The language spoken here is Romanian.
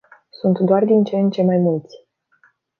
Sunt doar din ce în ce mai mulți.